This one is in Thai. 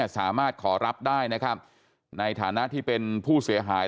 สามารถขอรับได้ในฐานะที่เป็นผู้เสียหาย